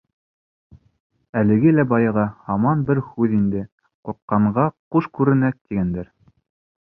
Әлеге лә баяғы, һаман бер һүҙ инде: ҡурҡҡанға ҡуш күренә, тигәндәр.